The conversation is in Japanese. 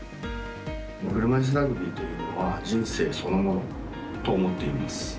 車いすラグビーというのは人生そのものと思っています。